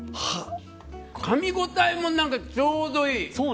かみ応えもちょうどいい。